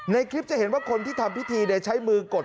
ในคลิปจะเห็นว่าคนที่ทำพิธีใช้มือกด